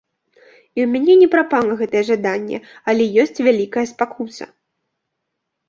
І ў мяне не прапала гэта жаданне, але ёсць вялікая спакуса.